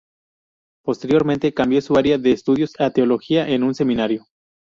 Posteriormente cambió su área de estudios a Teología en un seminario.